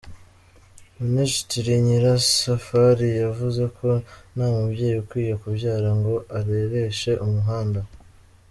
Minisitiri Nyirasafari yavuze ko nta mubyeyi ukwiye kubyara ngo arereshe umuhanda.